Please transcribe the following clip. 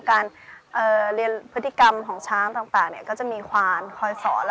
การควิติกรรมของช้างต่างเนี่ยก็จะมีขวานคอยสอน